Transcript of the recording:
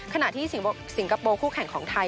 ขณะที่สิงคโปร์คู่แข่งของไทย